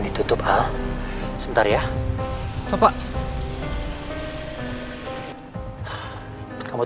lihat terima kasih man